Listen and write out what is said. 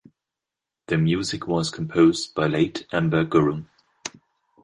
The music was composed by late Amber Gurung.